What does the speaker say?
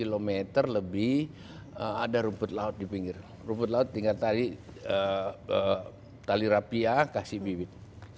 lima km lebih ada rumput laut di pinggir rumput laut tinggal tari tali rapia kasih bibit